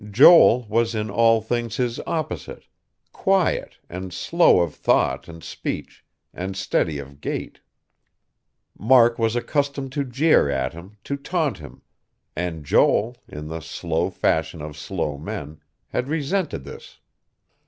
Joel was in all things his opposite, quiet, and slow of thought and speech, and steady of gait. Mark was accustomed to jeer at him, to taunt him; and Joel, in the slow fashion of slow men, had resented this.